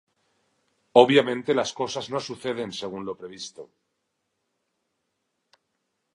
Obviamente, las cosas no suceden según lo previsto.